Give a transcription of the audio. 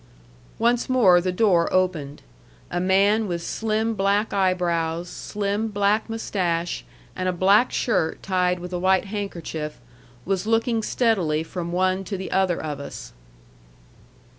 Once more the door opened. A man with slim black eyebrows, slim black mustache, and a black shirt tied with a white handkerchief was looking steadily from one to the other of us.